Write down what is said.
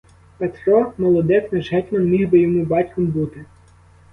Петро — молодик, наш гетьман міг би йому батьком бути.